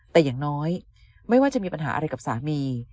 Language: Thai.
แต่อย่างน้อยไม่ว่าจะมีปัญหาอะไรกับสามี